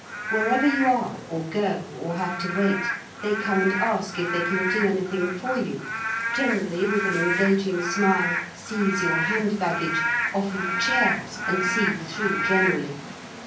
Wherever you are, or go, or have to wait, they come and ask if they can do anything for you, generally with an engaging smile seize your hand baggage, offer you chairs and see you through generally.